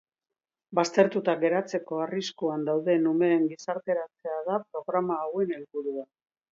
Baztertuta geratzeko arriskuan dauden umean gizarteratzea da programa hauen helburua.